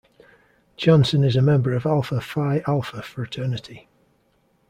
Johnson is a member of Alpha Phi Alpha fraternity.